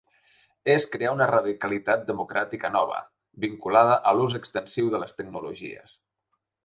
És crear una radicalitat democràtica nova, vinculada a l’ús extensiu de les tecnologies.